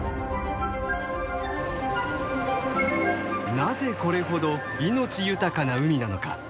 なぜこれほど命ゆたかな海なのか。